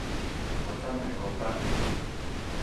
我真係覺得